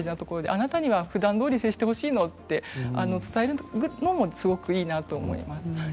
あなたには、ふだんどおり接してほしいのと伝えておくこともすごくいいと思います。